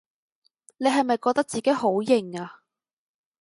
你係咪覺得自己好型吖？